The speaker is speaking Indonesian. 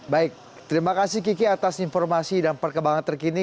baik terima kasih kiki atas informasi dan perkembangan terkini